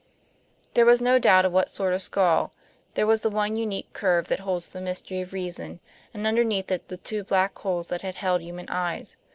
There was no doubt of what sort of skull; there was the one unique curve that holds the mystery of reason, and underneath it the two black holes that had held human eyes.